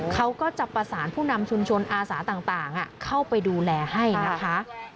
เขาก็จะประสานผู้นำชุมชนอาสาต่างเข้าไปดูแลให้นะคะ